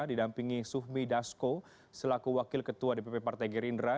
didampingi suhmi dasko selaku wakil ketua dpp partai gerindra